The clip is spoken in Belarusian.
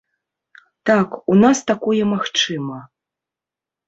Так, у нас такое магчыма.